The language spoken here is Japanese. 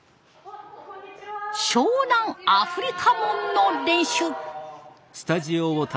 湘南アフリカモンの練習。